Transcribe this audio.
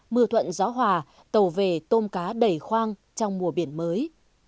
mưa thuận gió hòa tàu về tôm cá đầy khoang trong mùa biển mới